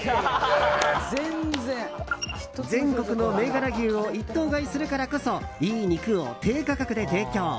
全国の銘柄牛を一頭買いするからこそいい肉を低価格で提供。